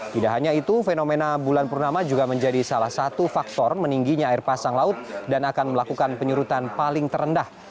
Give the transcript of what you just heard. tidak hanya itu fenomena bulan purnama juga menjadi salah satu faktor meningginya air pasang laut dan akan melakukan penyurutan paling terendah